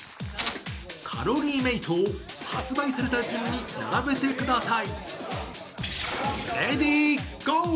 カロリーメイトを発売された順に並べてください。